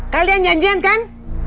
kalian janjian kan